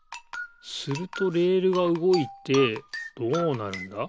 するとレールがうごいてどうなるんだ？